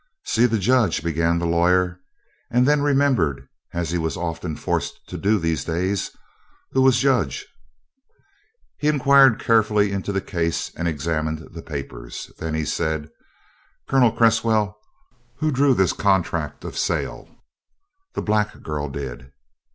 "See the Judge," began the lawyer, and then remembered, as he was often forced to do these days, who was Judge. He inquired carefully into the case and examined the papers. Then he said: "Colonel Cresswell, who drew this contract of sale?" "The black girl did."